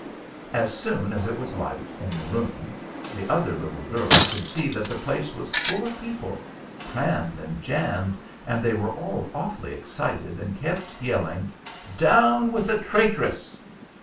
As soon as it was light in the room, the other little girl could see that the place was full of people, crammed and jammed, and they were all awfully excited, and kept yelling, "Down with the traitress!"